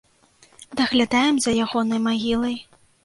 Даглядаем за ягонай магілай.